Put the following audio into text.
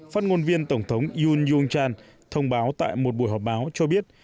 phát ngôn viên tổng thống yoon yong chan thông báo tại một buổi họp báo cho biết